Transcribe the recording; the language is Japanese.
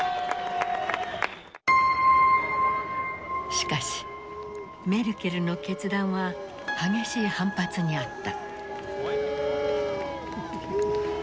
しかしメルケルの決断は激しい反発にあった。